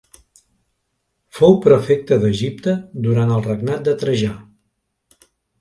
Fou prefecte d’Egipte durant el regnat de Trajà.